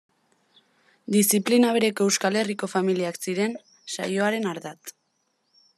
Diziplina bereko Euskal Herriko familiak ziren saioaren ardatz.